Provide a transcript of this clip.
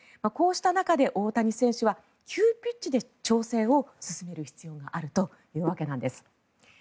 こうした中で、大谷選手は急ピッチで調整を進める必要があるというわけなんです。